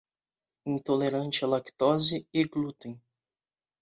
Intolerante à lactose e glúten